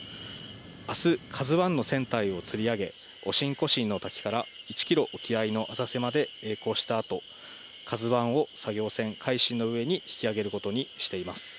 あす、ＫＡＺＵＩの船体をつり上げ、オシンコシンの滝から、１キロ沖合の浅瀬までえい航したあと、ＫＡＺＵＩを作業船、海進の上に引き揚げることにしています。